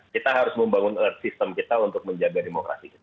kita harus membangun sistem kita untuk menjaga demokrasi